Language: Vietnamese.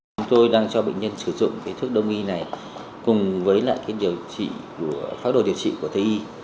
chúng tôi đang cho bệnh nhân sử dụng thuốc đông y này cùng với phát đồ điều trị của thế y